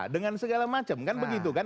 dengan segala macam kan begitu kan